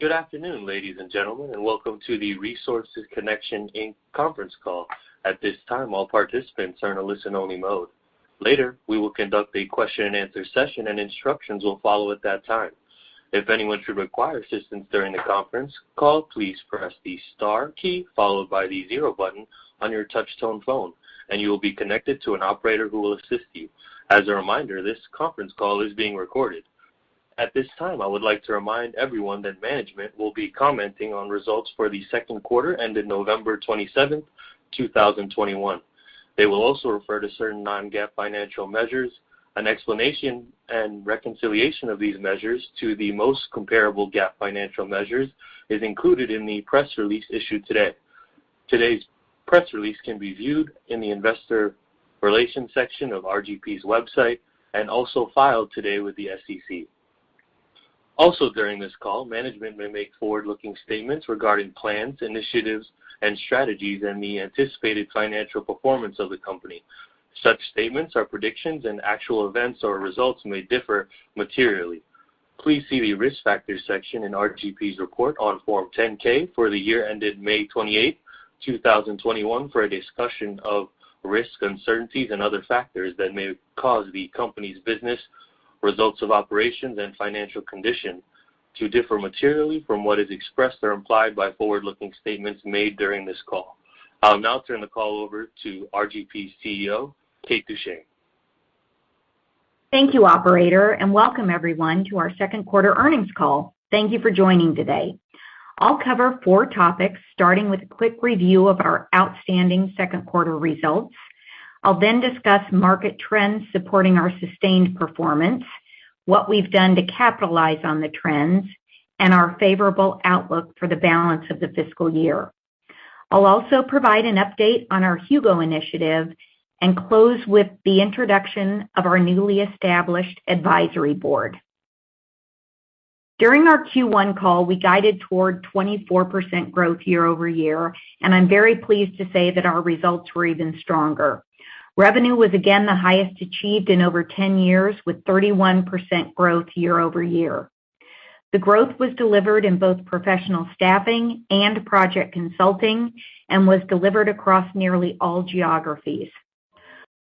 Good afternoon, ladies and gentlemen, and welcome to the Resources Connection Inc conference call. At this time, all participants are in a listen-only mode. Later, we will conduct a question-and-answer session, and instructions will follow at that time. If anyone should require assistance during the conference call, please press the star key followed by the zero button on your touch-tone phone, and you will be connected to an operator who will assist you. As a reminder, this conference call is being recorded. At this time, I would like to remind everyone that management will be commenting on results for the second quarter ended November 27, 2021. They will also refer to certain non-GAAP financial measures. An explanation and reconciliation of these measures to the most comparable GAAP financial measures is included in the press release issued today. Today's press release can be viewed in the investor relations section of RGP's website and also filed today with the SEC. Also during this call, management may make forward-looking statements regarding plans, initiatives, and strategies and the anticipated financial performance of the company. Such statements are predictions, and actual events or results may differ materially. Please see the Risk Factors section in RGP's report on Form 10-K for the year ended May 28, 2021 for a discussion of risks, uncertainties, and other factors that may cause the company's business, results of operations, and financial condition to differ materially from what is expressed or implied by forward-looking statements made during this call. I'll now turn the call over to RGP's CEO, Kate Duchene. Thank you, operator, and welcome everyone to our second quarter earnings call. Thank you for joining today. I'll cover four topics, starting with a quick review of our outstanding second quarter results. I'll then discuss market trends supporting our sustained performance, what we've done to capitalize on the trends, and our favorable outlook for the balance of the fiscal year. I'll also provide an update on our HUGO initiative and close with the introduction of our newly established advisory board. During our Q1 call, we guided toward 24% growth year-over-year, and I'm very pleased to say that our results were even stronger. Revenue was again the highest achieved in over 10 years, with 31% growth year-over-year. The growth was delivered in both professional staffing and project consulting and was delivered across nearly all geographies.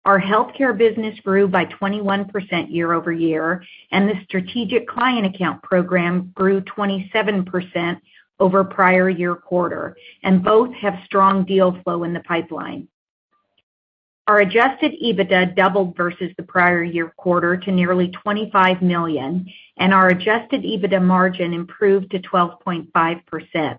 Our healthcare business grew by 21% year-over-year, and the strategic client account program grew 27% over prior-year quarter, and both have strong deal flow in the pipeline. Our Adjusted EBITDA doubled versus the prior-year quarter to nearly $25 million, and our Adjusted EBITDA margin improved to 12.5%.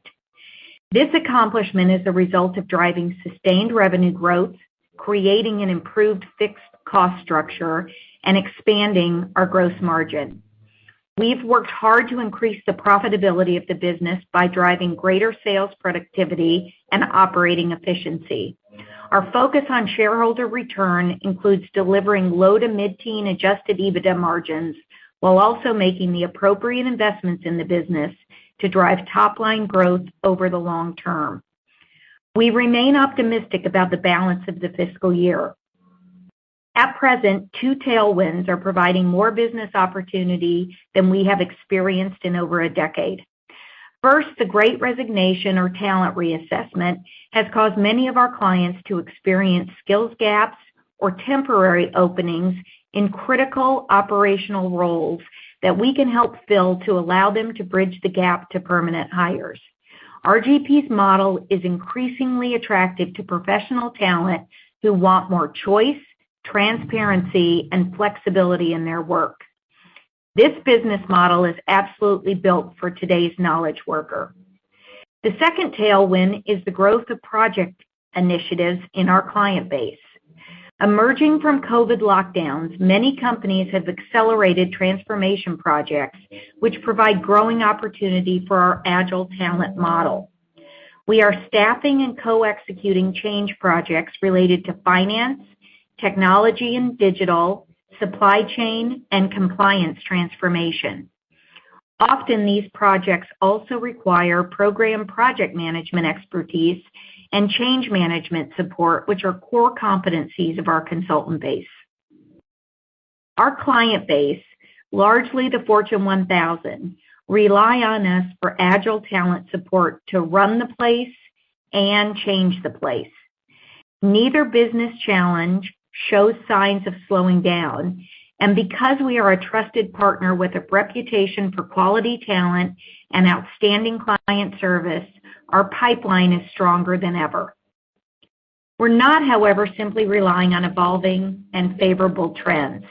This accomplishment is the result of driving sustained revenue growth, creating an improved fixed cost structure, and expanding our gross margin. We've worked hard to increase the profitability of the business by driving greater sales productivity and operating efficiency. Our focus on shareholder return includes delivering low- to mid-teen Adjusted EBITDA margins, while also making the appropriate investments in the business to drive top-line growth over the long term. We remain optimistic about the balance of the fiscal year. At present, two tailwinds are providing more business opportunity than we have experienced in over a decade. First, the great resignation or talent reassessment has caused many of our clients to experience skills gaps or temporary openings in critical operational roles that we can help fill to allow them to bridge the gap to permanent hires. RGP's model is increasingly attractive to professional talent who want more choice, transparency, and flexibility in their work. This business model is absolutely built for today's knowledge worker. The second tailwind is the growth of project initiatives in our client base. Emerging from COVID lockdowns, many companies have accelerated transformation projects which provide growing opportunity for our agile talent model. We are staffing and co-executing change projects related to finance, technology and digital, supply chain, and compliance transformation. Often, these projects also require program project management expertise and change management support, which are core competencies of our consultant base. Our client base, largely the Fortune 1000, rely on us for agile talent support to run the place and change the place. Neither business challenge shows signs of slowing down, and because we are a trusted partner with a reputation for quality talent and outstanding client service, our pipeline is stronger than ever. We're not, however, simply relying on evolving and favorable trends.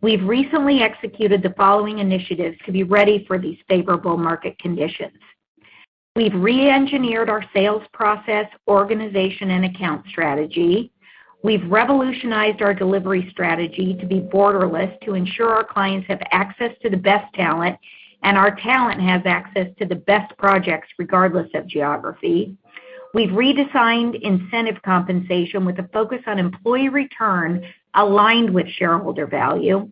We've recently executed the following initiatives to be ready for these favorable market conditions. We've re-engineered our sales process, organization, and account strategy. We've revolutionized our delivery strategy to be borderless to ensure our clients have access to the best talent and our talent has access to the best projects regardless of geography. We've redesigned incentive compensation with a focus on employee return aligned with shareholder value.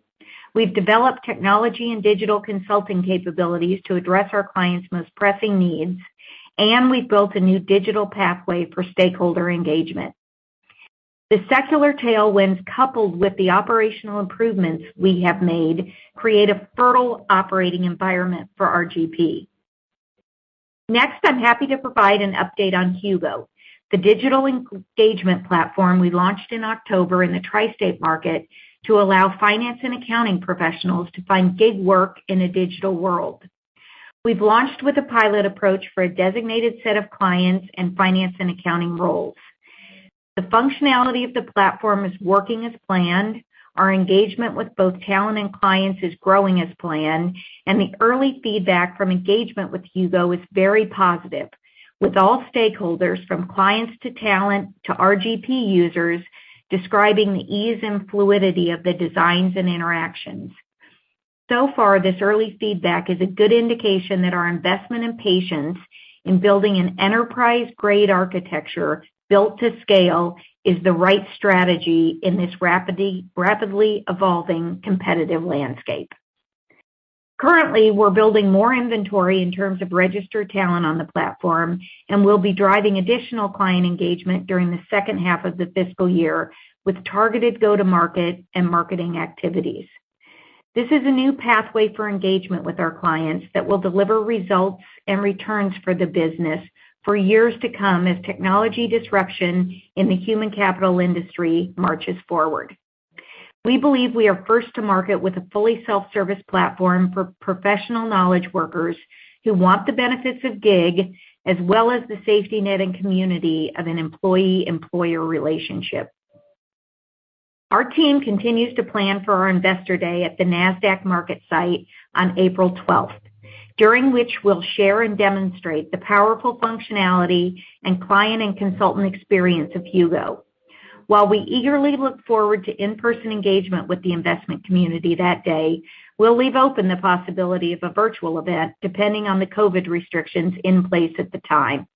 We've developed technology and digital consulting capabilities to address our clients' most pressing needs, and we've built a new digital pathway for stakeholder engagement. The secular tailwinds, coupled with the operational improvements we have made, create a fertile operating environment for RGP. Next, I'm happy to provide an update on HUGO, the digital engagement platform we launched in October in the Tri-State market to allow finance and accounting professionals to find gig work in a digital world. We've launched with a pilot approach for a designated set of clients and finance and accounting roles. The functionality of the platform is working as planned. Our engagement with both talent and clients is growing as planned, and the early feedback from engagement with HUGO is very positive, with all stakeholders from clients to talent to RGP users describing the ease and fluidity of the designs and interactions. So far, this early feedback is a good indication that our investment and patience in building an enterprise-grade architecture built to scale is the right strategy in this rapidly evolving competitive landscape. Currently, we're building more inventory in terms of registered talent on the platform, and we'll be driving additional client engagement during the second half of the fiscal year with targeted go-to-market and marketing activities. This is a new pathway for engagement with our clients that will deliver results and returns for the business for years to come as technology disruption in the human capital industry marches forward. We believe we are first to market with a fully self-service platform for professional knowledge workers who want the benefits of gig, as well as the safety net and community of an employee-employer relationship. Our team continues to plan for our investor day at the Nasdaq MarketSite on April 12th, during which we'll share and demonstrate the powerful functionality and client and consultant experience of HUGO. While we eagerly look forward to in-person engagement with the investment community that day, we'll leave open the possibility of a virtual event, depending on the COVID restrictions in place at the time.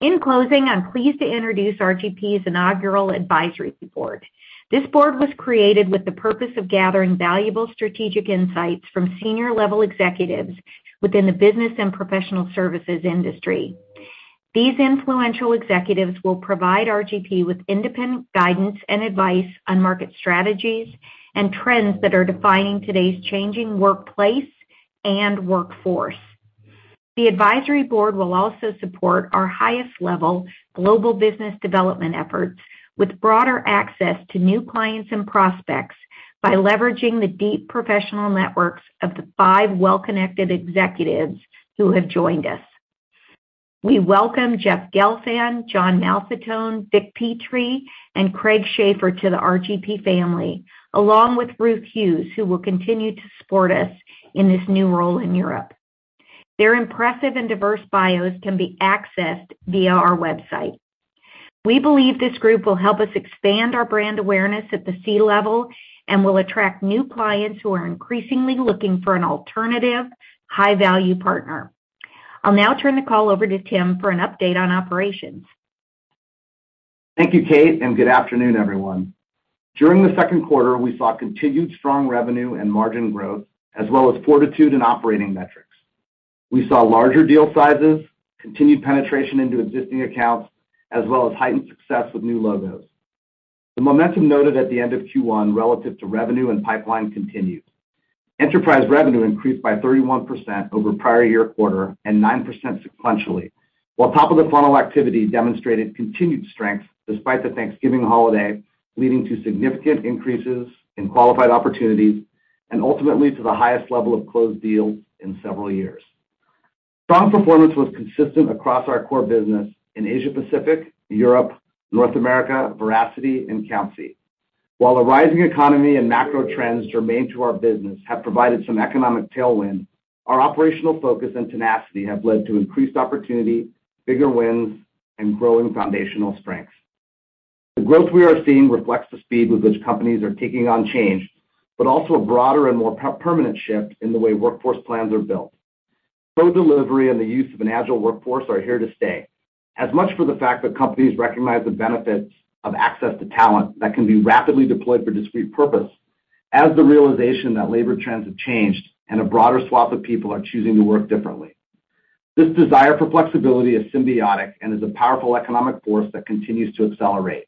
In closing, I'm pleased to introduce RGP's inaugural advisory board. This board was created with the purpose of gathering valuable strategic insights from senior-level executives within the business and professional services industry. These influential executives will provide RGP with independent guidance and advice on market strategies and trends that are defining today's changing workplace and workforce. The advisory board will also support our highest-level global business development efforts with broader access to new clients and prospects by leveraging the deep professional networks of the five well-connected executives who have joined us. We welcome Jeff Gelfand, John Malfettone, Vic Petri, and Craig Schaffer to the RGP family, along with Ruth Hughes, who will continue to support us in this new role in Europe. Their impressive and diverse bios can be accessed via our website. We believe this group will help us expand our brand awareness at the C-level and will attract new clients who are increasingly looking for an alternative, high-value partner. I'll now turn the call over to Tim for an update on operations. Thank you, Kate, and good afternoon, everyone. During the second quarter, we saw continued strong revenue and margin growth, as well as fortitude in operating metrics. We saw larger deal sizes, continued penetration into existing accounts, as well as heightened success with new logos. The momentum noted at the end of Q1 relative to revenue and pipeline continued. Enterprise revenue increased by 31% over prior year quarter and 9% sequentially, while top-of-the-funnel activity demonstrated continued strength despite the Thanksgiving holiday, leading to significant increases in qualified opportunities and ultimately to the highest level of closed deals in several years. Strong performance was consistent across our core business in Asia Pacific, Europe, North America, Veracity, and Countsy. While a rising economy and macro trends germane to our business have provided some economic tailwind, our operational focus and tenacity have led to increased opportunity, bigger wins, and growing foundational strengths. The growth we are seeing reflects the speed with which companies are taking on change, but also a broader and more permanent shift in the way workforce plans are built. Cloud delivery and the use of an agile workforce are here to stay. As much for the fact that companies recognize the benefits of access to talent that can be rapidly deployed for discrete purpose, as the realization that labor trends have changed and a broader swath of people are choosing to work differently. This desire for flexibility is symbiotic and is a powerful economic force that continues to accelerate.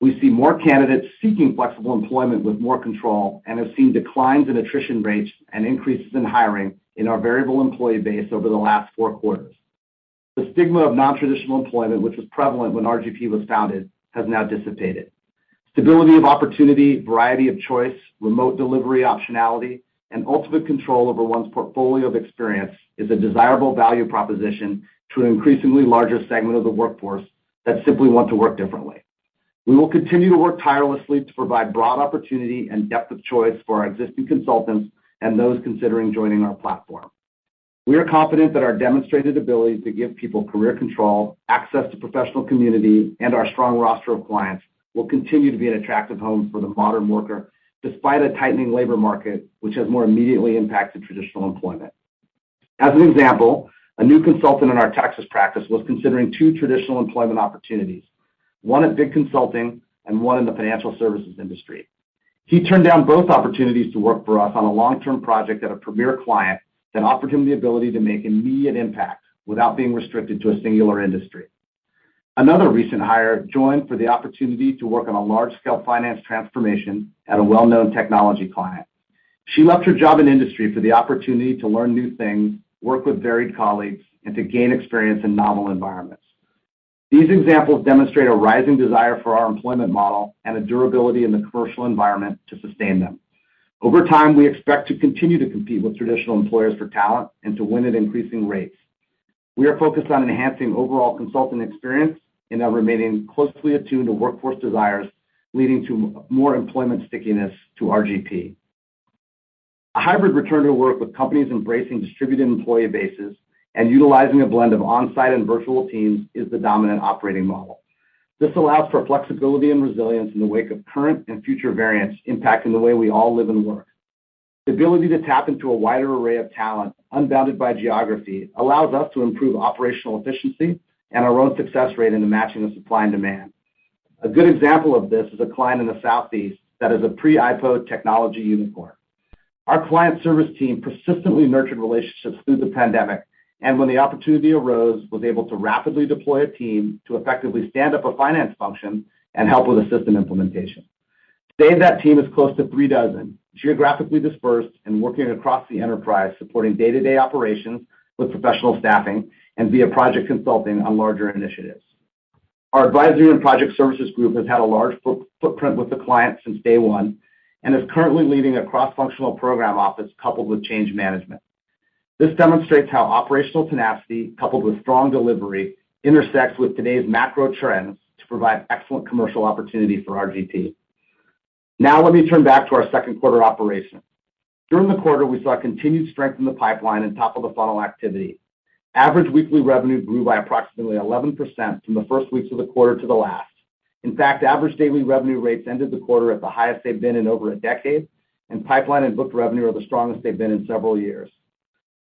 We see more candidates seeking flexible employment with more control and have seen declines in attrition rates and increases in hiring in our variable employee base over the last four quarters. The stigma of non-traditional employment, which was prevalent when RGP was founded, has now dissipated. Stability of opportunity, variety of choice, remote delivery optionality, and ultimate control over one's portfolio of experience is a desirable value proposition to an increasingly larger segment of the workforce that simply want to work differently. We will continue to work tirelessly to provide broad opportunity and depth of choice for our existing consultants and those considering joining our platform. We are confident that our demonstrated ability to give people career control, access to professional community, and our strong roster of clients will continue to be an attractive home for the modern worker despite a tightening labor market, which has more immediately impacted traditional employment. As an example, a new consultant in our Texas practice was considering two traditional employment opportunities, one at big consulting and one in the financial services industry. He turned down both opportunities to work for us on a long-term project at a premier client that offered him the ability to make immediate impact without being restricted to a singular industry. Another recent hire joined for the opportunity to work on a large-scale finance transformation at a well-known technology client. She left her job in industry for the opportunity to learn new things, work with varied colleagues, and to gain experience in novel environments. These examples demonstrate a rising desire for our employment model and a durability in the commercial environment to sustain them. Over time, we expect to continue to compete with traditional employers for talent and to win at increasing rates. We are focused on enhancing overall consultant experience and are remaining closely attuned to workforce desires, leading to more employment stickiness to RGP. A hybrid return to work with companies embracing distributed employee bases and utilizing a blend of on-site and virtual teams is the dominant operating model. This allows for flexibility and resilience in the wake of current and future variants impacting the way we all live and work. The ability to tap into a wider array of talent unbounded by geography allows us to improve operational efficiency and our own success rate in matching the supply and demand. A good example of this is a client in the Southeast that is a pre-IPO technology unicorn. Our client service team persistently nurtured relationships through the pandemic, and when the opportunity arose, was able to rapidly deploy a team to effectively stand up a finance function and help with a system implementation. Today, that team is close to three dozen, geographically dispersed and working across the enterprise, supporting day-to-day operations with professional staffing and via project consulting on larger initiatives. Our advisory and project services group has had a large footprint with the client since day one and is currently leading a cross-functional program office coupled with change management. This demonstrates how operational tenacity coupled with strong delivery intersects with today's macro trends to provide excellent commercial opportunity for RGP. Now let me turn back to our second quarter operations. During the quarter, we saw continued strength in the pipeline and top-of-the-funnel activity. Average weekly revenue grew by approximately 11% from the first weeks of the quarter to the last. In fact, average daily revenue rates ended the quarter at the highest they've been in over a decade, and pipeline and booked revenue are the strongest they've been in several years.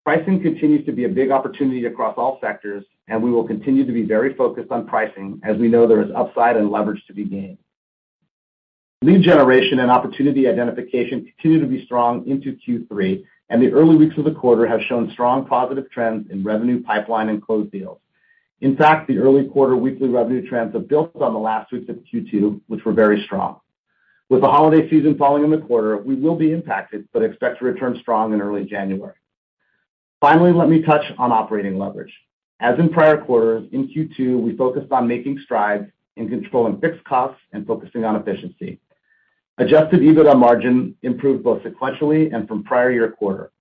Pricing continues to be a big opportunity across all sectors, and we will continue to be very focused on pricing as we know there is upside and leverage to be gained. Lead generation and opportunity identification continue to be strong into Q3, and the early weeks of the quarter have shown strong positive trends in revenue pipeline and closed deals. In fact, the early quarter weekly revenue trends have built on the last weeks of Q2, which were very strong. With the holiday season falling in the quarter, we will be impacted, but expect to return strong in early January. Finally, let me touch on operating leverage. As in prior quarters, in Q2, we focused on making strides in controlling fixed costs and focusing on efficiency. Adjusted EBITDA margin improved both sequentially and from prior year quarter.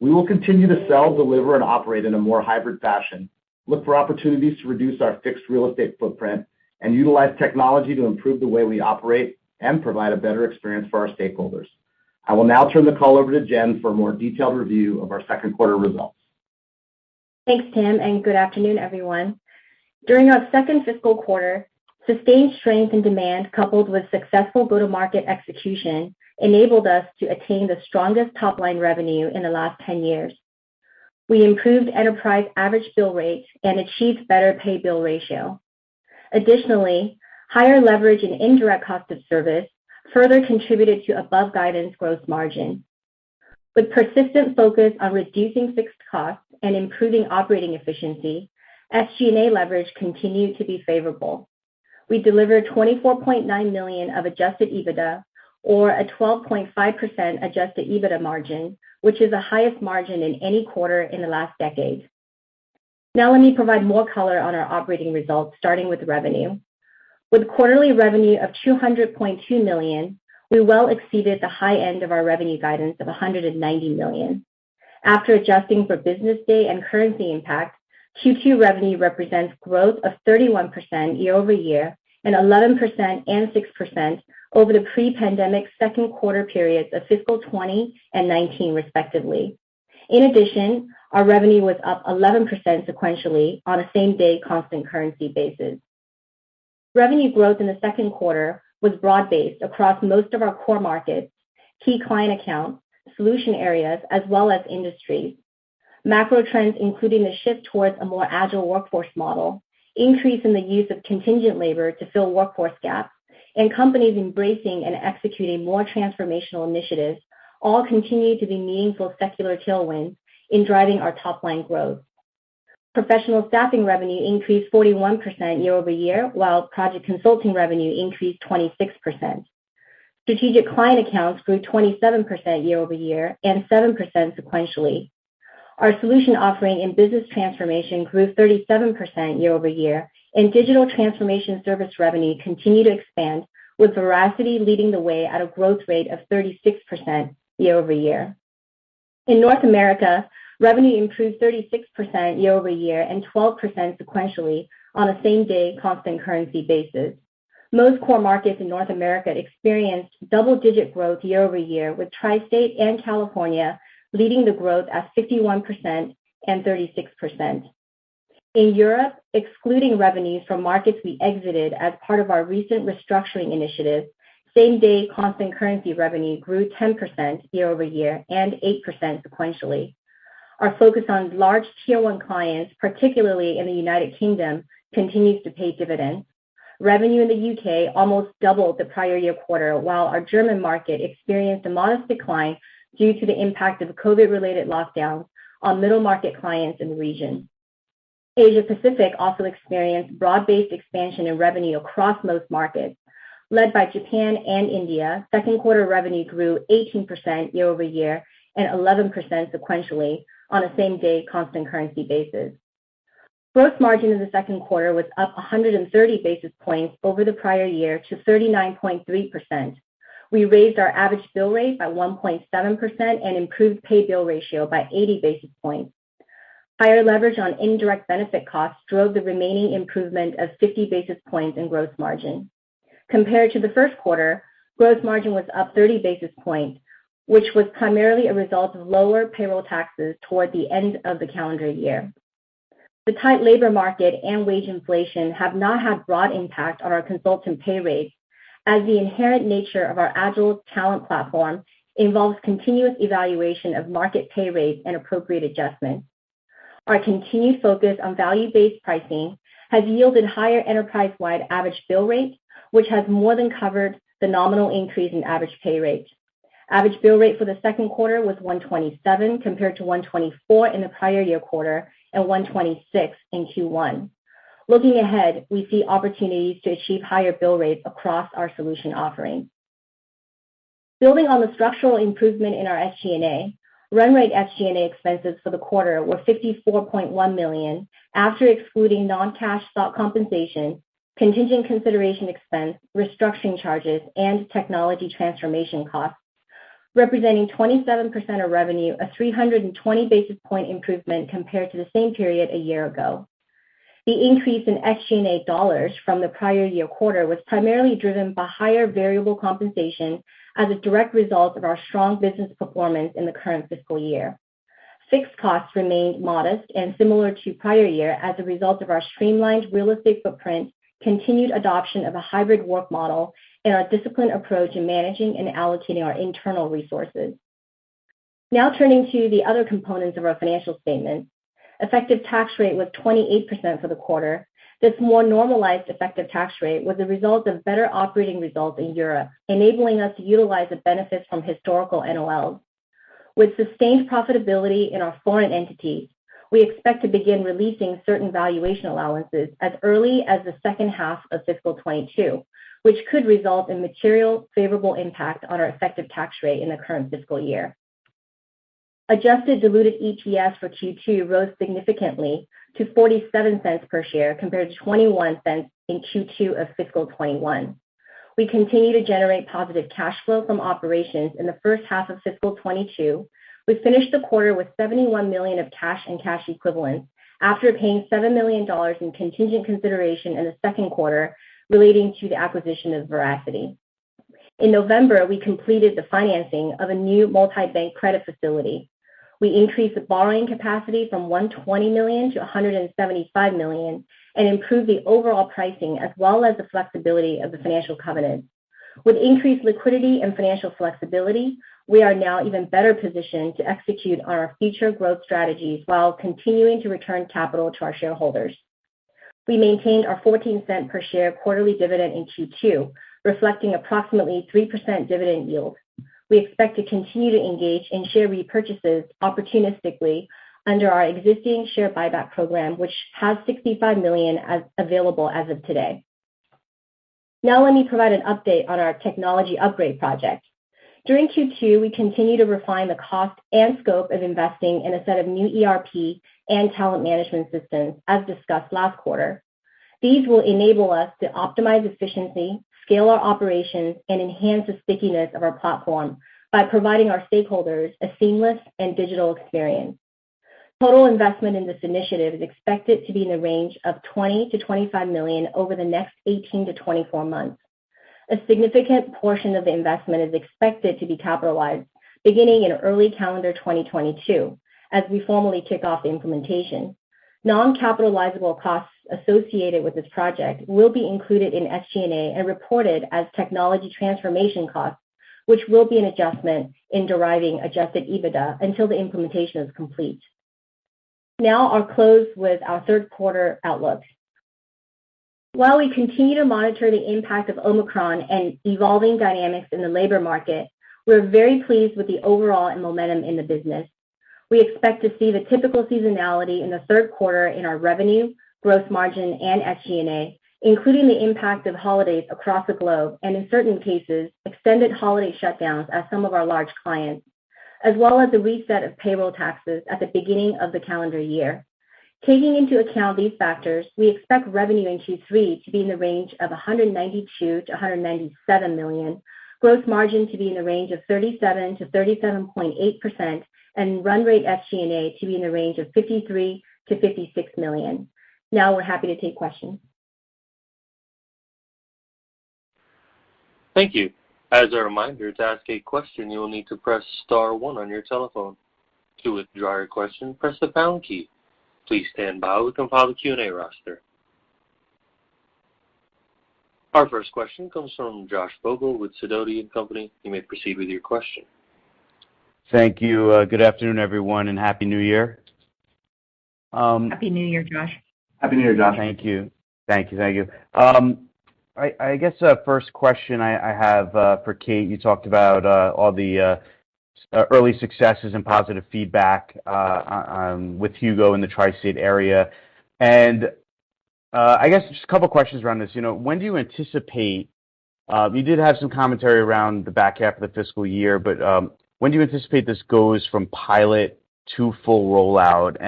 We will continue to sell, deliver, and operate in a more hybrid fashion, look for opportunities to reduce our fixed real estate footprint, and utilize technology to improve the way we operate and provide a better experience for our stakeholders. I will now turn the call over to Jenn for a more detailed review of our second quarter results. Thanks, Tim, and good afternoon, everyone. During our second fiscal quarter, sustained strength in demand coupled with successful go-to-market execution enabled us to attain the strongest top-line revenue in the last 10 years. We improved enterprise average bill rates and achieved better pay-bill ratio. Additionally, higher leverage, lower indirect cost of service further contributed to above-guidance gross margin. With persistent focus on reducing fixed costs and improving operating efficiency, SG&A leverage continued to be favorable. We delivered $24.9 million of Adjusted EBITDA or a 12.5% Adjusted EBITDA margin, which is the highest margin in any quarter in the last 10 years. Now let me provide more color on our operating results, starting with revenue. With quarterly revenue of $200.2 million, we well exceeded the high end of our revenue guidance of $190 million. After adjusting for business day and currency impact, Q2 revenue represents growth of 31% year-over-year and 11% and 6% over the pre-pandemic second quarter periods of fiscal 2020 and 2019 respectively. In addition, our revenue was up 11% sequentially on a same-day constant currency basis. Revenue growth in the second quarter was broad-based across most of our core markets, key client accounts, solution areas, as well as industries. Macro trends including the shift towards a more agile workforce model, increase in the use of contingent labor to fill workforce gaps, and companies embracing and executing more transformational initiatives all continue to be meaningful secular tailwinds in driving our top-line growth. Professional staffing revenue increased 41% year-over-year, while project consulting revenue increased 26%. Strategic client accounts grew 27% year-over-year and 7% sequentially. Our solution offering in business transformation grew 37% year-over-year, and digital transformation service revenue continued to expand with Veracity leading the way at a growth rate of 36% year-over-year. In North America, revenue improved 36% year-over-year and 12% sequentially on a same-day constant currency basis. Most core markets in North America experienced double-digit growth year-over-year, with Tri-State and California leading the growth at 51% and 36%. In Europe, excluding revenues from markets we exited as part of our recent restructuring initiative, same-day constant currency revenue grew 10% year-over-year and 8% sequentially. Our focus on large Tier 1 clients, particularly in the United Kingdom, continues to pay dividends. Revenue in the U.K. almost doubled the prior year quarter, while our German market experienced a modest decline due to the impact of COVID related lockdowns on middle market clients in the region. Asia Pacific also experienced broad-based expansion in revenue across most markets. Led by Japan and India, second quarter revenue grew 18% year-over-year and 11% sequentially on a same-day constant currency basis. Gross margin in the second quarter was up 130 basis points over the prior year to 39.3%. We raised our average bill rate by 1.7% and improved pay bill ratio by 80 basis points. Higher leverage on indirect benefit costs drove the remaining improvement of 50 basis points in gross margin. Compared to the first quarter, gross margin was up 30 basis points, which was primarily a result of lower payroll taxes toward the end of the calendar year. The tight labor market and wage inflation have not had broad impact on our consultant pay rates, as the inherent nature of our agile talent platform involves continuous evaluation of market pay rates and appropriate adjustments. Our continued focus on value-based pricing has yielded higher enterprise-wide average bill rates, which has more than covered the nominal increase in average pay rates. Average bill rate for the second quarter was $127, compared to $124 in the prior year quarter and $126 in Q1. Looking ahead, we see opportunities to achieve higher bill rates across our solution offerings. Building on the structural improvement in our SG&A, run rate SG&A expenses for the quarter were $54.1 million after excluding non-cash stock compensation, contingent consideration expense, restructuring charges, and technology transformation costs, representing 27% of revenue, a 320 basis point improvement compared to the same period a year ago. The increase in SG&A dollars from the prior year quarter was primarily driven by higher variable compensation as a direct result of our strong business performance in the current fiscal year. Fixed costs remained modest and similar to prior year as a result of our streamlined real estate footprint, continued adoption of a hybrid work model, and our disciplined approach in managing and allocating our internal resources. Now turning to the other components of our financial statement. Effective tax rate was 28% for the quarter. This more normalized effective tax rate was a result of better operating results in Europe, enabling us to utilize the benefits from historical NOLs. With sustained profitability in our foreign entities, we expect to begin releasing certain valuation allowances as early as the second half of fiscal 2022, which could result in material favorable impact on our effective tax rate in the current fiscal year. Adjusted diluted EPS for Q2 rose significantly to $0.47 per share compared to $0.21 in Q2 of fiscal 2021. We continue to generate positive cash flow from operations in the first half of fiscal 2022. We finished the quarter with $71 million of cash and cash equivalents after paying $7 million in contingent consideration in the second quarter relating to the acquisition of Veracity. In November, we completed the financing of a new multi-bank credit facility. We increased the borrowing capacity from $120 million to $175 million and improved the overall pricing as well as the flexibility of the financial covenants. With increased liquidity and financial flexibility, we are now even better positioned to execute on our future growth strategies while continuing to return capital to our shareholders. We maintained our $0.14 per share quarterly dividend in Q2, reflecting approximately 3% dividend yield. We expect to continue to engage in share repurchases opportunistically under our existing share buyback program, which has $65 million available as of today. Now let me provide an update on our technology upgrade project. During Q2, we continued to refine the cost and scope of investing in a set of new ERP and talent management systems, as discussed last quarter. These will enable us to optimize efficiency, scale our operations, and enhance the stickiness of our platform by providing our stakeholders a seamless and digital experience. Total investment in this initiative is expected to be in the range of $20-$25 million over the next 18-24 months. A significant portion of the investment is expected to be capitalized beginning in early calendar 2022 as we formally kick off the implementation. Non-capitalizable costs associated with this project will be included in SG&A and reported as technology transformation costs, which will be an adjustment in deriving Adjusted EBITDA until the implementation is complete. Now I'll close with our third quarter outlook. While we continue to monitor the impact of Omicron and evolving dynamics in the labor market, we're very pleased with the overall momentum in the business. We expect to see the typical seasonality in the third quarter in our revenue, growth margin, and SG&A, including the impact of holidays across the globe and, in certain cases, extended holiday shutdowns at some of our large clients, as well as the reset of payroll taxes at the beginning of the calendar year. Taking into account these factors, we expect revenue in Q3 to be in the range of $192 million-$197 million, growth margin to be in the range of 37%-37.8%, and run rate SG&A to be in the range of $53 million-$56 million. Now we're happy to take questions. Thank you. As a reminder, to ask a question, you will need to press star one on your telephone. To withdraw your question, press the pound key. Please stand by. We're compiling the Q&A roster. Our first question comes from Josh Vogel with Sidoti & Company. You may proceed with your question. Thank you. Good afternoon, everyone, and Happy New Year. Happy New Year, Josh. Happy New Year, Josh. Thank you. I guess first question I have for Kate, you talked about all the early successes and positive feedback with HUGO in the tri-state area. I guess just a couple questions around this. You know, when do you anticipate. You did have some commentary around the back half of the fiscal year, but when do you anticipate this goes from pilot to full rollout?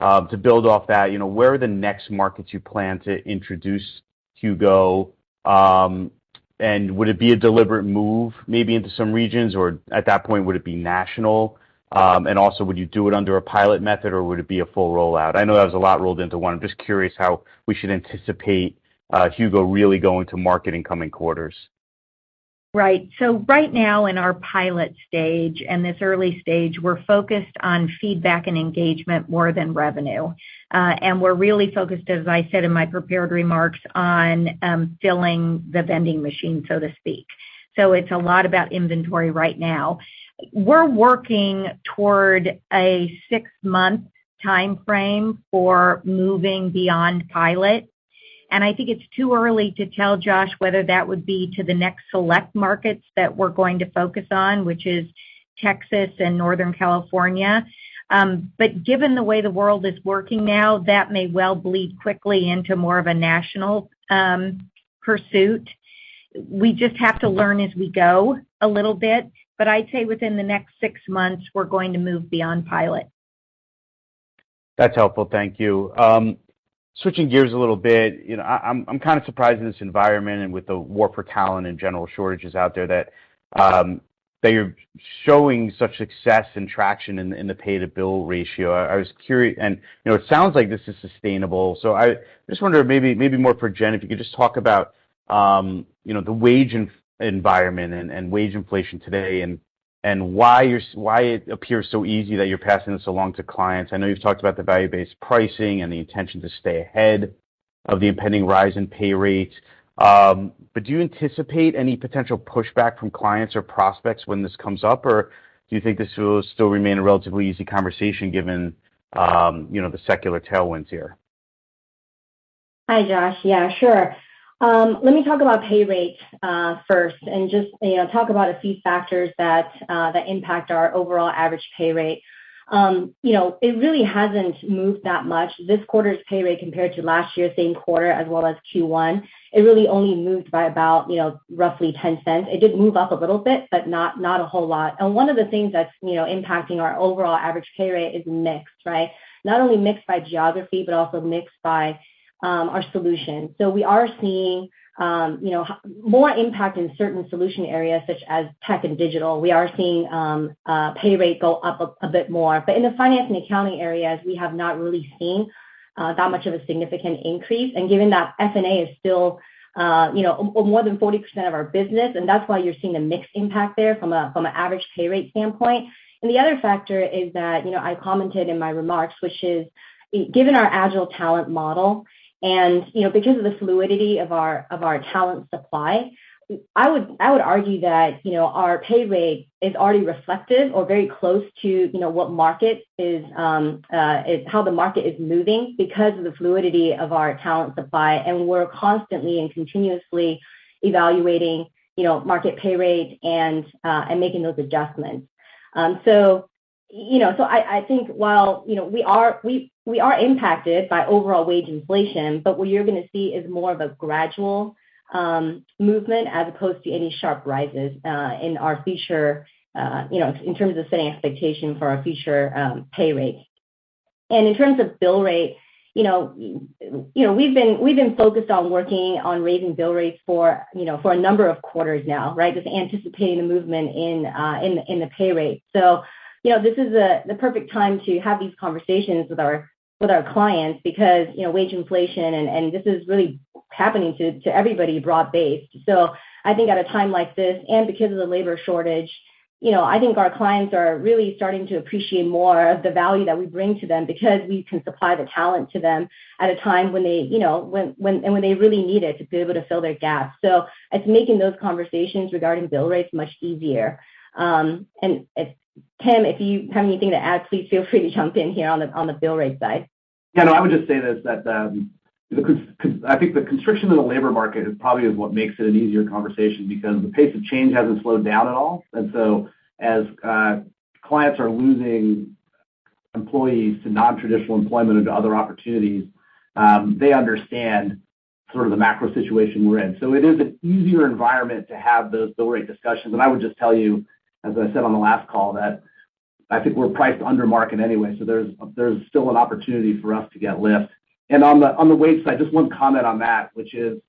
To build off that, you know, where are the next markets you plan to introduce HUGO? Would it be a deliberate move maybe into some regions, or at that point, would it be national? Also, would you do it under a pilot method, or would it be a full rollout? I know that was a lot rolled into one. I'm just curious how we should anticipate HUGO really going to market in coming quarters? Right. Right now, in our pilot stage, in this early stage, we're focused on feedback and engagement more than revenue. We're really focused, as I said in my prepared remarks, on filling the vending machine, so to speak. It's a lot about inventory right now. We're working toward a six-month timeframe for moving beyond pilot, and I think it's too early to tell, Josh, whether that would be to the next select markets that we're going to focus on, which is Texas and Northern California. Given the way the world is working now, that may well bleed quickly into more of a national pursuit. We just have to learn as we go a little bit, but I'd say within the next six months, we're going to move beyond pilot. That's helpful. Thank you. Switching gears a little bit, you know, I'm kind of surprised in this environment and with the war for talent and general shortages out there that that you're showing such success and traction in the pay-bill ratio. I was curi— You know, it sounds like this is sustainable. I just wonder maybe more for Jenn, if you could just talk about, you know, the wage environment and wage inflation today and why you're— why it appears so easy that you're passing this along to clients. I know you've talked about the value-based pricing and the intention to stay ahead of the impending rise in pay rates. Do you anticipate any potential pushback from clients or prospects when this comes up? Do you think this will still remain a relatively easy conversation given, you know, the secular tailwinds here? Hi, Josh. Yeah, sure. Let me talk about pay rates, first and just, you know, talk about a few factors that impact our overall average pay rate. You know, it really hasn't moved that much. This quarter's pay rate compared to last year's same quarter as well as Q1, it really only moved by about, you know, roughly $0.10. It did move up a little bit, but not a whole lot. One of the things that's, you know, impacting our overall average pay rate is mix, right? Not only mix by geography but also mix by our solution. We are seeing, you know, more impact in certain solution areas such as tech and digital. We are seeing pay rate go up a bit more. In the finance and accounting areas, we have not really seen that much of a significant increase. Given that F&A is still, you know, more than 40% of our business, and that's why you're seeing a mixed impact there from an average pay rate standpoint. The other factor is that, you know, I commented in my remarks, which is given our agile talent model and, you know, because of the fluidity of our talent supply, I would argue that, you know, our pay rate is already reflective or very close to, you know, what market is, how the market is moving because of the fluidity of our talent supply, and we're constantly and continuously evaluating, you know, market pay rates and making those adjustments. I think while we are impacted by overall wage inflation, but what you're gonna see is more of a gradual movement as opposed to any sharp rises in our future, you know, in terms of setting expectation for our future pay rates. In terms of bill rate, you know, we've been focused on working on raising bill rates for a number of quarters now, right? Just anticipating the movement in the pay rate. This is the perfect time to have these conversations with our clients because, you know, wage inflation and this is really happening to everybody broad-based. I think at a time like this and because of the labor shortage, you know, I think our clients are really starting to appreciate more of the value that we bring to them because we can supply the talent to them at a time when they, you know, when they really need it to be able to fill their gaps. It's making those conversations regarding bill rates much easier. If Tim, if you have anything to add, please feel free to jump in here on the bill rate side. Yeah, no, I would just say this, that, I think the constriction of the labor market is probably what makes it an easier conversation because the pace of change hasn't slowed down at all. Clients are losing employees to non-traditional employment or to other opportunities, they understand sort of the macro situation we're in. It is an easier environment to have those bill rate discussions. I would just tell you, as I said on the last call, that I think we're priced under market anyway. There's still an opportunity for us to get lift. On the wage side, just one comment on that, which is.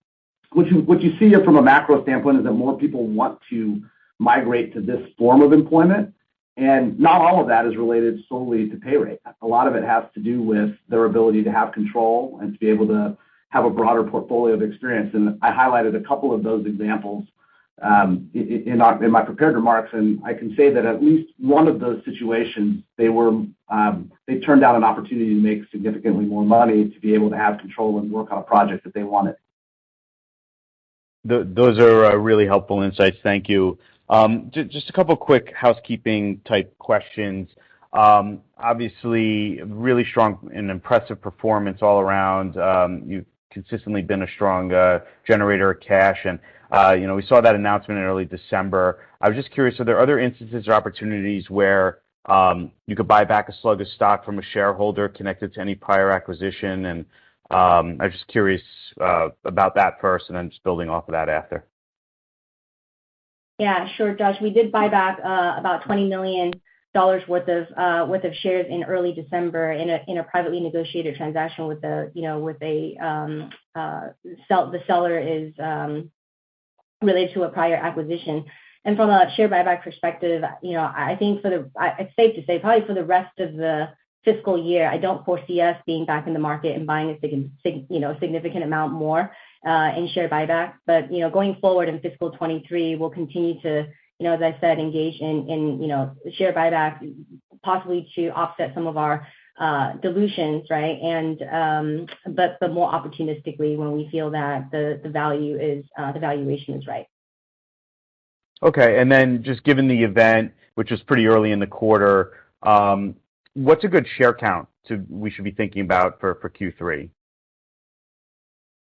What you see here from a macro standpoint is that more people want to migrate to this form of employment, and not all of that is related solely to pay rate. A lot of it has to do with their ability to have control and to be able to have a broader portfolio of experience. I highlighted a couple of those examples. In my prepared remarks, I can say that at least one of those situations, they turned down an opportunity to make significantly more money to be able to have control and work on a project that they wanted. Those are really helpful insights. Thank you. Just a couple of quick housekeeping type questions. Obviously, really strong and impressive performance all around. You've consistently been a strong generator of cash, and you know, we saw that announcement in early December. I was just curious, are there other instances or opportunities where you could buy back a slug of stock from a shareholder connected to any prior acquisition? I was just curious about that first and then just building off of that after. Yeah, sure, Josh. We did buy back about $20 million worth of shares in early December in a privately negotiated transaction with a you know the seller is related to a prior acquisition. From a share buyback perspective, you know, I think it's safe to say probably for the rest of the fiscal year, I don't foresee us being back in the market and buying a significant amount more in share buyback. You know, going forward in fiscal 2023, we'll continue to you know as I said engage in you know share buyback possibly to offset some of our dilutions, right? But more opportunistically, when we feel that the value is the valuation is right. Okay. Then just given the event, which is pretty early in the quarter, what's a good share count we should be thinking about for Q3?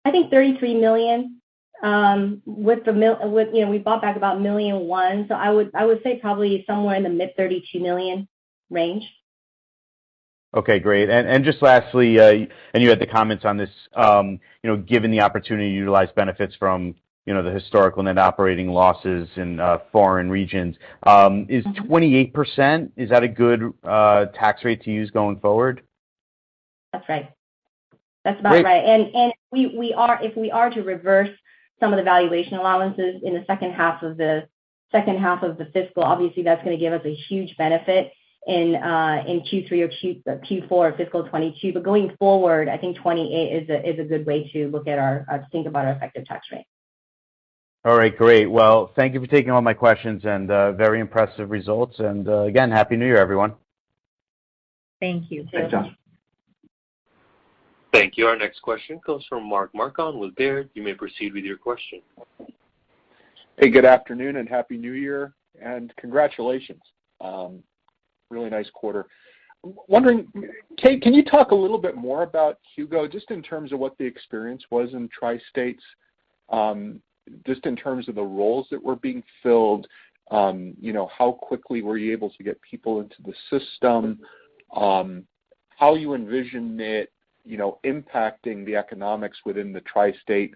I think 33 million. With, you know, we bought back about 1.1 million, so I would say probably somewhere in the mid-32 million range. Okay, great. Just lastly, you had the comments on this, you know, given the opportunity to utilize benefits from, you know, the historical net operating losses in foreign regions, is 28% a good tax rate to use going forward? That's right. That's about right. Great. If we are to reverse some of the valuation allowances in the second half of the fiscal, obviously that's gonna give us a huge benefit in Q3 or Q4 of fiscal 2022. Going forward, I think 28% is a good way to think about our effective tax rate. All right, great. Well, thank you for taking all my questions and very impressive results. Again, Happy New Year, everyone. Thank you. Thanks, Josh. Thank you. Our next question comes from Mark Marcon with Baird. You may proceed with your question. Hey, good afternoon, and Happy New Year, and congratulations. Really nice quarter. Wondering, Kate, can you talk a little bit more about HUGO, just in terms of what the experience was in Tri-States, just in terms of the roles that were being filled, you know, how quickly were you able to get people into the system, how you envision it, you know, impacting the economics within the Tri-State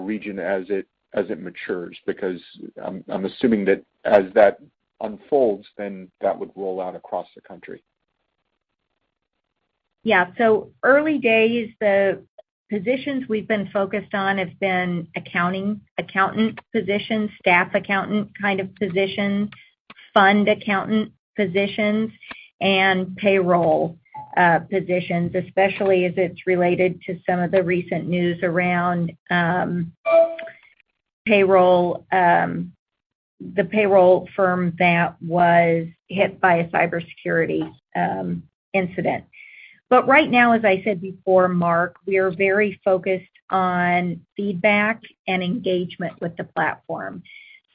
region as it matures? Because I'm assuming that as that unfolds, then that would roll out across the country. Yeah. Early days, the positions we've been focused on have been accounting, accountant positions, staff accountant kind of positions, fund accountant positions, and payroll positions, especially as it's related to some of the recent news around payroll, the payroll firm that was hit by a cybersecurity incident. Right now, as I said before, Mark, we are very focused on feedback and engagement with the platform.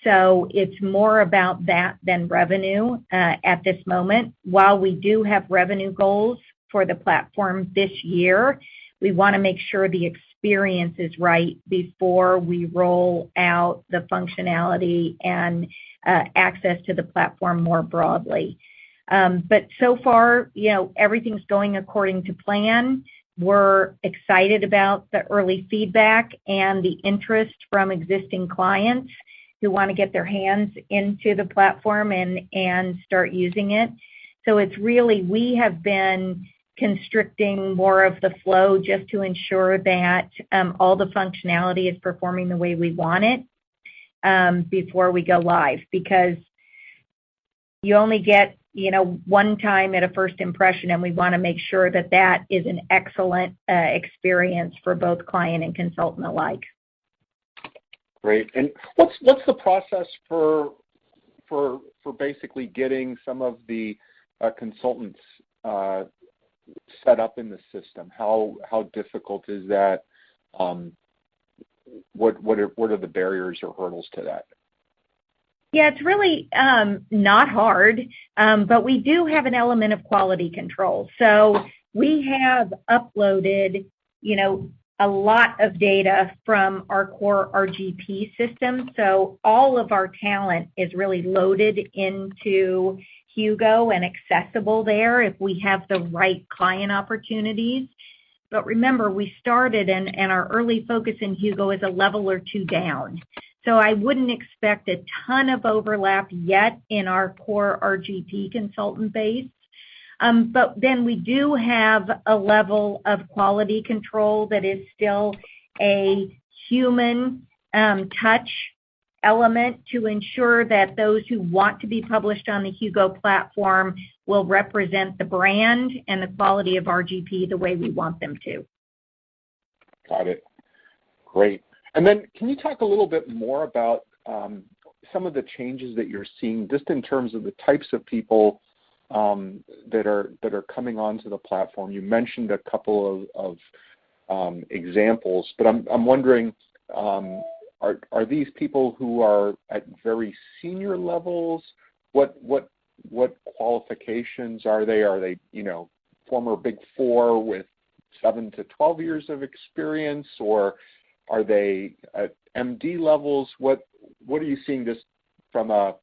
It's more about that than revenue at this moment. While we do have revenue goals for the platform this year, we wanna make sure the experience is right before we roll out the functionality and access to the platform more broadly. So far, you know, everything's going according to plan. We're excited about the early feedback and the interest from existing clients who wanna get their hands on the platform and start using it. It's really we have been restricting more of the flow just to ensure that all the functionality is performing the way we want it before we go live. Because you only get, you know, one time at a first impression, and we wanna make sure that that is an excellent experience for both client and consultant alike. Great. What's the process for basically getting some of the consultants set up in the system? How difficult is that? What are the barriers or hurdles to that? Yeah, it's really not hard, but we do have an element of quality control. We have uploaded, you know, a lot of data from our core RGP system. All of our talent is really loaded into HUGO and accessible there if we have the right client opportunities. Remember, we started and our early focus in HUGO is a level or two down. I wouldn't expect a ton of overlap yet in our core RGP consultant base. We do have a level of quality control that is still a human touch element to ensure that those who want to be published on the HUGO platform will represent the brand and the quality of RGP the way we want them to. Got it. Great. Can you talk a little bit more about some of the changes that you're seeing just in terms of the types of people that are coming onto the platform? You mentioned a couple of examples, but I'm wondering, are these people who are at very senior levels? What qualifications are they? Are they, you know, former Big Four with seven to 12 years of experience, or are they at MD levels? What are you seeing just from a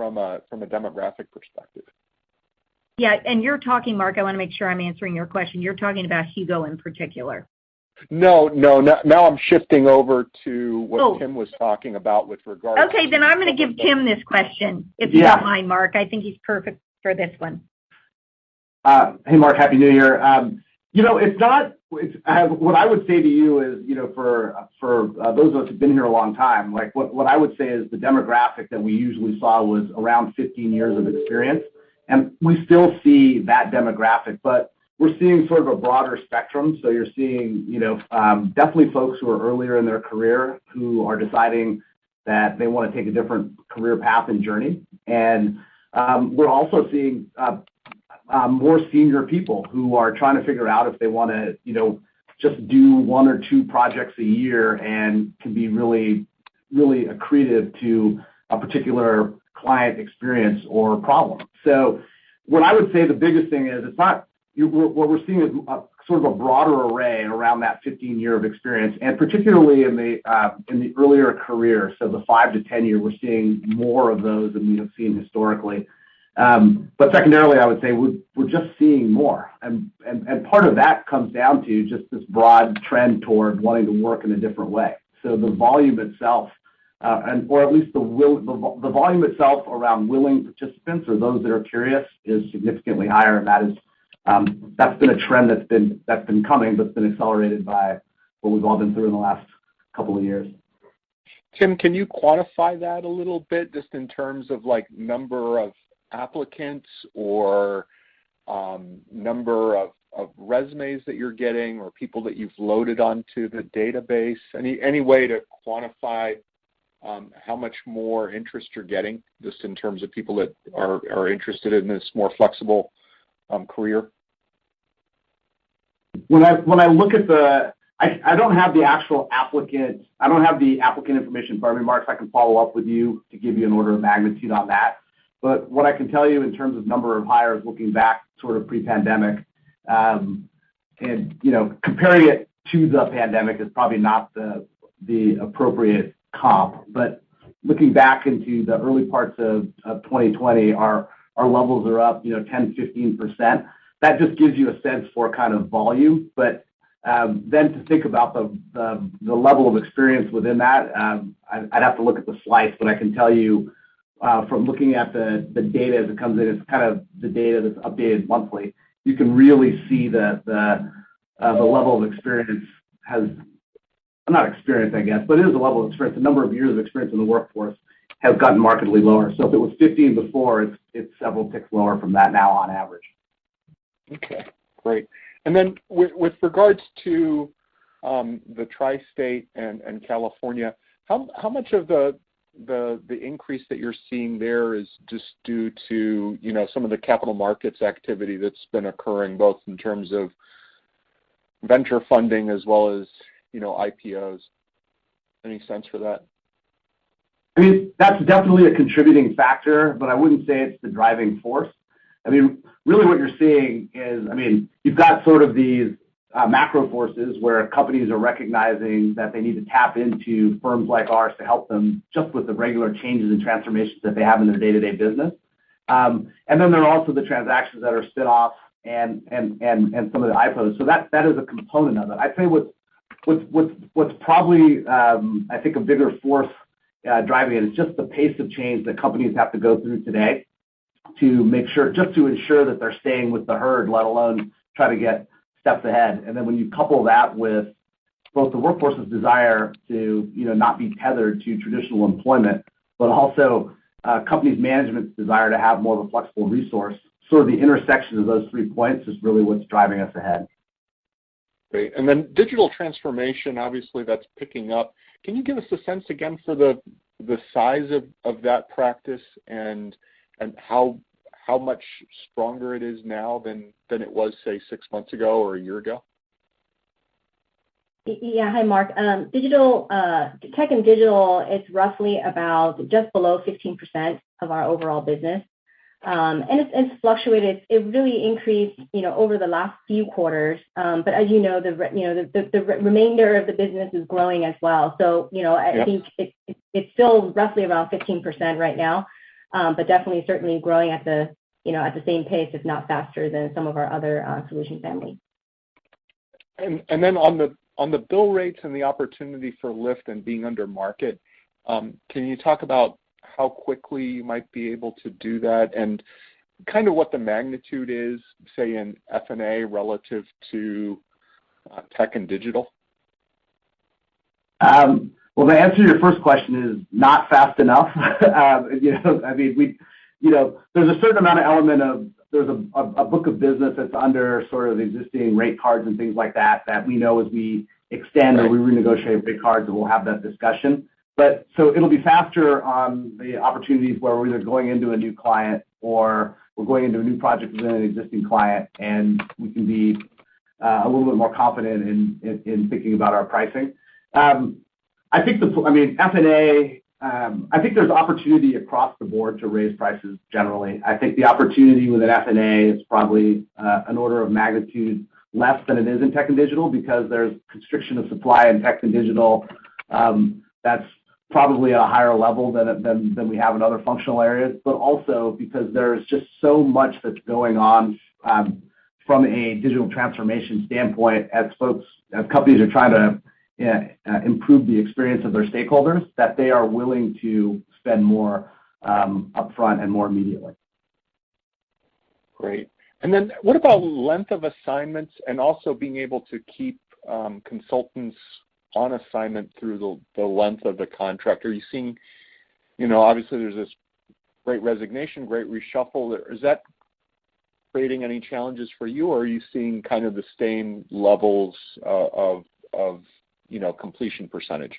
demographic perspective? Yeah. You're talking, Mark, I wanna make sure I'm answering your question. You're talking about HUGO in particular. No. Now I'm shifting over to. Oh. what Tim was talking about with regards to Okay, I'm gonna give Tim this question. Yeah. If you don't mind, Mark. I think he's perfect for this one. Hey, Mark. Happy New Year. What I would say to you is, you know, for those of us who've been here a long time, like, what I would say is the demographic that we usually saw was around 15 years of experience, and we still see that demographic. We're seeing sort of a broader spectrum, so you're seeing, you know, definitely folks who are earlier in their career who are deciding that they wanna take a different career path and journey. We're also seeing more senior people who are trying to figure out if they wanna, you know, just do one or two projects a year and can be really accretive to a particular client experience or problem. What I would say the biggest thing is, it's not. What we're seeing is sort of a broader array around that 15 years of experience, and particularly in the earlier career, so the five- to 10-year, we're seeing more of those than we have seen historically. Secondarily, I would say we're just seeing more. Part of that comes down to just this broad trend toward wanting to work in a different way. The volume itself around willing participants or those that are curious is significantly higher, and that is that's been a trend that's been coming, but it's been accelerated by what we've all been through in the last couple of years. Tim, can you quantify that a little bit just in terms of, like, number of applicants or, number of resumes that you're getting or people that you've loaded onto the database? Any way to quantify, how much more interest you're getting just in terms of people that are interested in this more flexible, career? When I look at the I don't have the actual applicant information, but I mean, Mark, I can follow up with you to give you an order of magnitude on that. But what I can tell you in terms of number of hires looking back sort of pre-pandemic and you know, comparing it to the pandemic is probably not the appropriate comp. But looking back into the early parts of 2020, our levels are up you know, 10%-15%. That just gives you a sense for kind of volume. But then to think about the level of experience within that, I'd have to look at the slice. I can tell you from looking at the data as it comes in. It's kind of the data that's updated monthly. You can really see that the level of experience, the number of years of experience in the workforce, has gotten markedly lower. If it was 15 before, it's several ticks lower from that now on average. Okay. Great. With regards to the Tri-State and California, how much of the increase that you're seeing there is just due to, you know, some of the capital markets activity that's been occurring, both in terms of venture funding as well as, you know, IPOs? Any sense for that? I mean, that's definitely a contributing factor, but I wouldn't say it's the driving force. I mean, really what you're seeing is, I mean, you've got sort of these macro forces where companies are recognizing that they need to tap into firms like ours to help them just with the regular changes and transformations that they have in their day-to-day business. And then there are also the transactions that are spin-offs and some of the IPOs. So that is a component of it. I'd say what's probably, I think a bigger force driving it is just the pace of change that companies have to go through today to make sure just to ensure that they're staying with the herd, let alone try to get steps ahead. when you couple that with both the workforce's desire to, you know, not be tethered to traditional employment, but also, companies' management's desire to have more of a flexible resource, sort of the intersection of those three points is really what's driving us ahead. Great. Digital transformation, obviously that's picking up. Can you give us a sense again for the size of that practice and how much stronger it is now than it was, say, six months ago or a year ago? Yeah. Hi, Mark. Digital, tech and digital is roughly about just below 15% of our overall business. It's fluctuated. It really increased, you know, over the last few quarters. As you know, the remainder of the business is growing as well. You know, I think it's still roughly around 15% right now. Definitely certainly growing at the same pace, if not faster than some of our other solution families. On the bill rates and the opportunity for lift and being under market, can you talk about how quickly you might be able to do that and kind of what the magnitude is, say, in F&A relative to tech and digital? Well, the answer to your first question is not fast enough. You know, I mean, you know, there's a certain element of a book of business that's under sort of existing rate cards and things like that we know as we extend or we renegotiate rate cards, and we'll have that discussion. It'll be faster on the opportunities where we're either going into a new client or we're going into a new project within an existing client, and we can be a little bit more confident in thinking about our pricing. I think, I mean, F&A, I think there's opportunity across the board to raise prices generally. I think the opportunity with an F&A is probably an order of magnitude less than it is in tech and digital because there's constriction of supply in tech and digital. That's probably a higher level than we have in other functional areas, but also because there's just so much that's going on from a digital transformation standpoint as companies are trying to improve the experience of their stakeholders, that they are willing to spend more upfront and more immediately. Great. Then what about length of assignments and also being able to keep consultants on assignment through the length of the contract? Are you seeing? You know, obviously there's this great resignation, great reshuffle. Is that creating any challenges for you, or are you seeing kind of the same levels of completion percentage?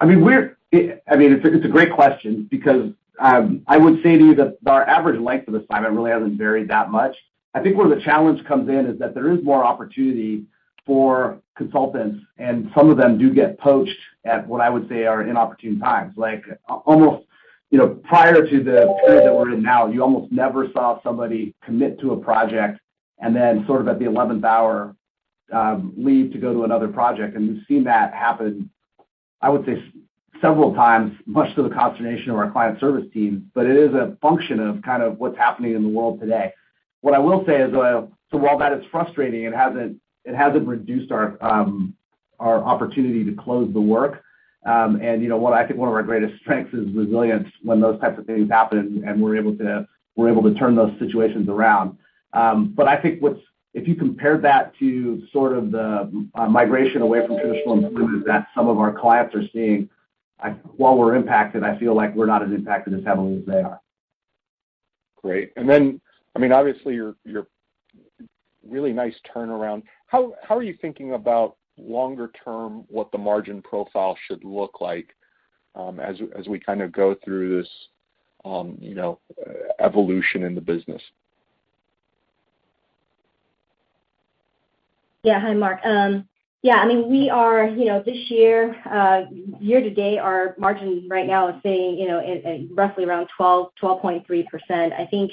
I mean, it's a great question because I would say to you that our average length of assignment really hasn't varied that much. I think where the challenge comes in is that there is more opportunity for consultants, and some of them do get poached at what I would say are inopportune times. Like, almost, you know, prior to the period that we're in now, you almost never saw somebody commit to a project and then sort of at the 11th hour, leave to go to another project. We've seen that happen, I would say, several times, much to the consternation of our client service team, but it is a function of kind of what's happening in the world today. What I will say is, while that is frustrating, it hasn't reduced our opportunity to close the work. You know what? I think one of our greatest strengths is resilience when those types of things happen, and we're able to turn those situations around. I think if you compare that to sort of the migration away from traditional improvements that some of our clients are seeing, while we're impacted, I feel like we're not as impacted as heavily as they are. Great. I mean, obviously, your really nice turnaround. How are you thinking about longer term, what the margin profile should look like, as we kind of go through this, you know, evolution in the business? Yeah. Hi, Mark. Yeah, I mean, we are, you know, this year to date, our margin right now is sitting, you know, at roughly around 12.3%.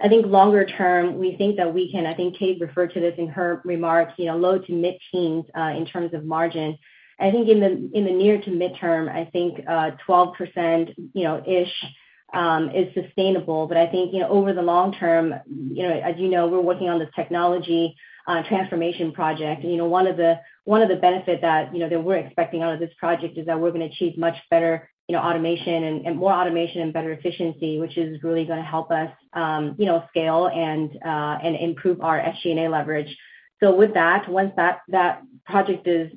I think longer term, we think that we can. I think Kate referred to this in her remarks, you know, low to mid-teens in terms of margin. I think in the near to midterm, I think 12%, you know, ish, is sustainable. I think, you know, over the long term, you know, as you know, we're working on this technology transformation project. You know, one of the benefit that we're expecting out of this project is that we're gonna achieve much better automation and more automation and better efficiency, which is really gonna help us, you know, scale and improve our SG&A leverage. With that, once that project is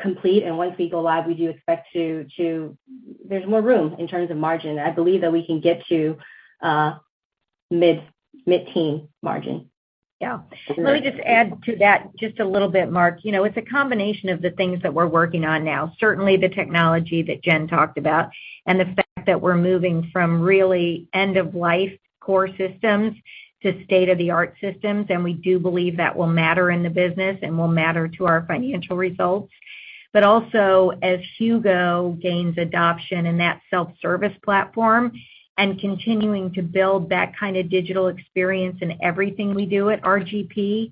complete, and once we go live, we do expect to. There's more room in terms of margin. I believe that we can get to mid-teen margin. Yeah. Let me just add to that just a little bit, Mark. You know, it's a combination of the things that we're working on now, certainly the technology that Jenn talked about and the fact that we're moving from really end-of-life core systems to state-of-the-art systems, and we do believe that will matter in the business and will matter to our financial results. Also, as HUGO gains adoption in that self-service platform and continuing to build that kind of digital experience in everything we do at RGP,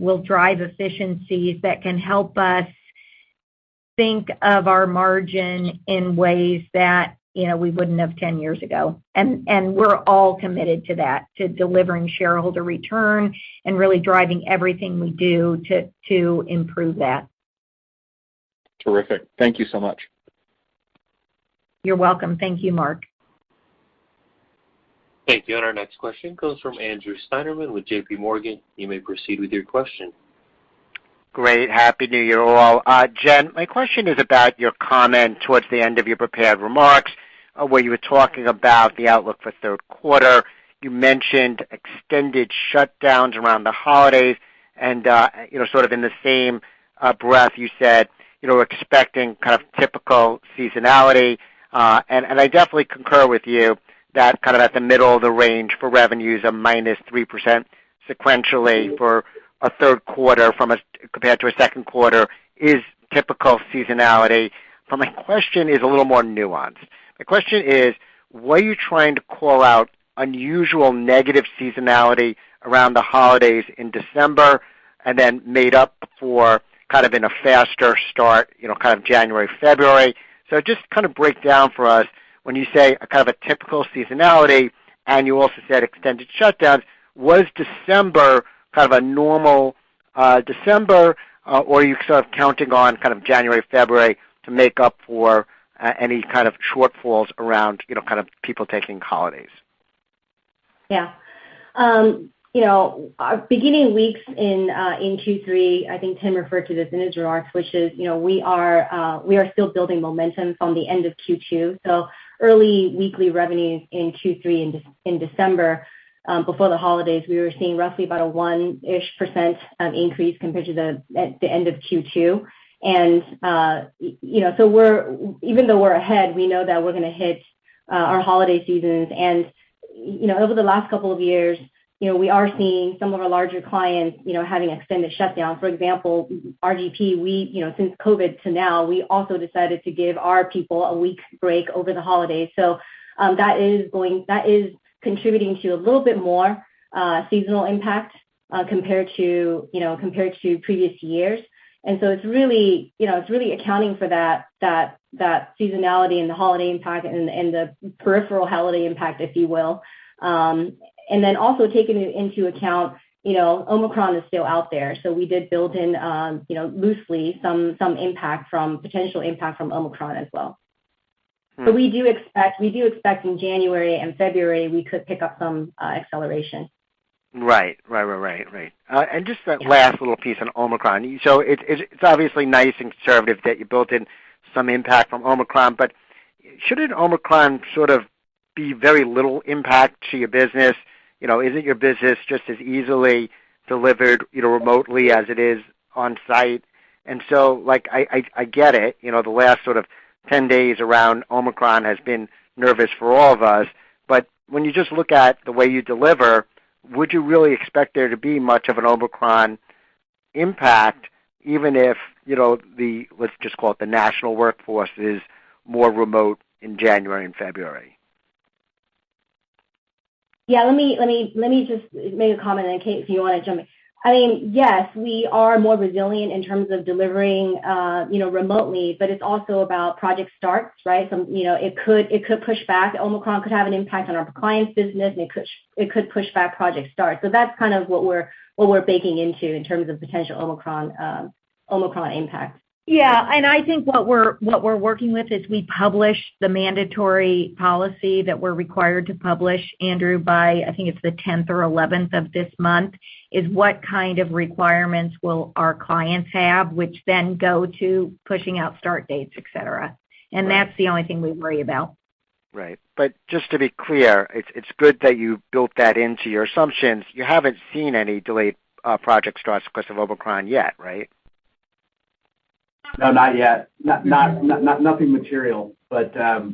will drive efficiencies that can help us think of our margin in ways that, you know, we wouldn't have 10 years ago. We're all committed to that, to delivering shareholder return and really driving everything we do to improve that. Terrific. Thank you so much. You're welcome. Thank you, Mark. Thank you. Our next question comes from Andrew Steinerman with J.P. Morgan. You may proceed with your question. Great. Happy New Year, all. Jenn, my question is about your comment towards the end of your prepared remarks, where you were talking about the outlook for third quarter. You mentioned extended shutdowns around the holidays and, you know, sort of in the same breath, you said, you know, we're expecting kind of typical seasonality. And I definitely concur with you that kind of at the middle of the range for revenues of -3% sequentially for third quarter compared to second quarter is typical seasonality. My question is a little more nuanced. The question is, were you trying to call out unusual negative seasonality around the holidays in December and then made up for kind of in a faster start, you know, kind of January, February? Just kind of break down for us when you say a kind of a typical seasonality, and you also said extended shutdowns. Was December kind of a normal, December, or are you sort of counting on kind of January, February to make up for, any kind of shortfalls around, you know, kind of people taking holidays? Yeah. You know, our beginning weeks in Q3, I think Tim referred to this in his remarks, which is, you know, we are still building momentum from the end of Q2. Early weekly revenues in Q3 in December, before the holidays, we were seeing roughly about a 1% increase compared to the end of Q2. You know, even though we're ahead, we know that we're gonna hit our holiday seasons. You know, over the last couple of years, you know, we are seeing some of our larger clients, you know, having extended shutdowns. For example, RGP, you know, since COVID to now, we also decided to give our people a week break over the holidays. That is contributing to a little bit more seasonal impact compared to, you know, compared to previous years. It's really, you know, it's really accounting for that seasonality and the holiday impact and the peripheral holiday impact, if you will. Taking into account, you know, Omicron is still out there. We did build in, you know, loosely some impact from potential impact from Omicron as well. We do expect in January and February we could pick up some acceleration. Right. Just that last little piece on Omicron. It's obviously nice and conservative that you built in some impact from Omicron, but shouldn't Omicron sort of be very little impact to your business? You know, isn't your business just as easily delivered, you know, remotely as it is on-site? Like, I get it, you know, the last sort of 10 days around Omicron has been nervous for all of us. But when you just look at the way you deliver, would you really expect there to be much of an Omicron impact, even if, you know, the, let's just call it, the national workforce is more remote in January and February? Yeah, let me just make a comment, and then Kate, if you wanna jump in. I mean, yes, we are more resilient in terms of delivering, you know, remotely, but it's also about project starts, right? You know, it could push back. Omicron could have an impact on our clients' business, and it could push back project starts. That's kind of what we're baking into in terms of potential Omicron impact. Yeah. I think what we're working with is we publish the mandatory policy that we're required to publish, Andrew, by, I think it's the 10th or 11th of this month, is what kind of requirements will our clients have, which then go to pushing out start dates, et cetera. That's the only thing we worry about. Right. Just to be clear, it's good that you built that into your assumptions. You haven't seen any delayed project starts because of Omicron yet, right? No, not yet. Nothing material. We're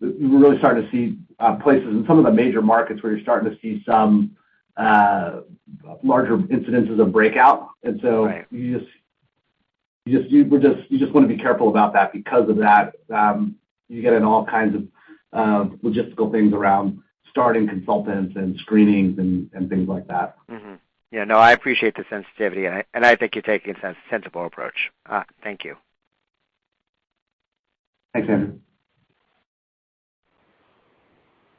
really starting to see places and some of the major markets where you're starting to see some larger incidences of breakout. Right. You just wanna be careful about that. Because of that, you get in all kinds of logistical things around starting consultants and screenings and things like that. Mm-hmm. Yeah, no, I appreciate the sensitivity and I think you're taking a sensible approach. Thank you. Thanks, Andrew.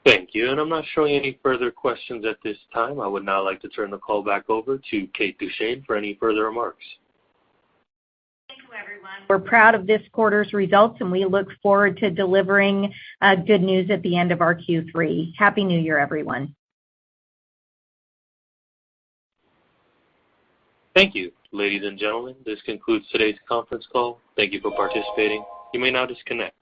Thank you. I'm not showing any further questions at this time. I would now like to turn the call back over to Kate Duchene for any further remarks. Thank you, everyone. We're proud of this quarter's results, and we look forward to delivering good news at the end of our Q3. Happy New Year, everyone. Thank you. Ladies and gentlemen, this concludes today's conference call. Thank you for participating. You may now disconnect.